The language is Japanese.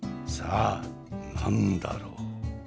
さあ何だろう？